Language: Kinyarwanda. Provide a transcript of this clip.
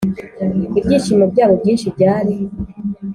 Ibyishimo byabo byinshi byari